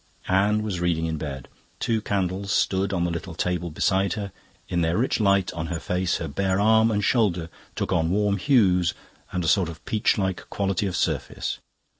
Anne was reading in bed. Two candles stood on the little table beside her, in their rich light her face, her bare arm and shoulder took on warm hues and a sort of peach like quality of surface.